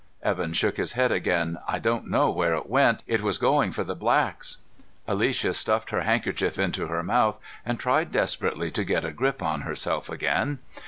Evan shook his head again. "I don't know where it went. It was going for the blacks." Alicia stuffed her handkerchief into her mouth and tried desperately to get a grip on herself again.